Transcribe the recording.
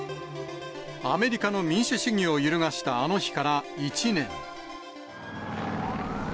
アメリカの民主主義を揺るがしたあの日から１年。